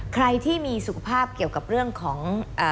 ใครที่มีสุขภาพเกี่ยวกับเรื่องของ